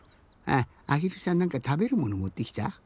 あっあひるさんなんかたべるものもってきた？